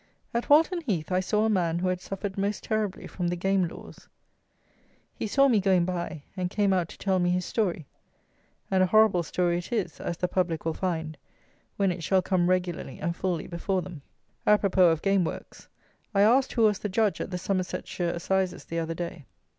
At Walton Heath I saw a man who had suffered most terribly from the game laws. He saw me going by, and came out to tell me his story; and a horrible story it is, as the public will find, when it shall come regularly and fully before them. Apropos of game works: I asked who was the Judge at the Somersetshire Assizes the other day.